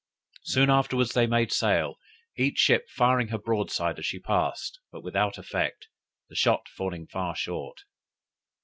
Soon afterwards they made sail, each ship firing her broadside as she passed, but without effect, the shot falling far short.